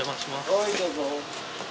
はいどうぞ。